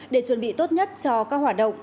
để chuẩn bị tốt nhất cho các hoạt động